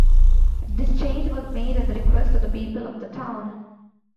This change was made at the request of the people of the town.